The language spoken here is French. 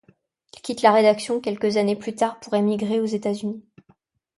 Il quitte la rédaction quelques années plus tard pour émigrer aux États-Unis.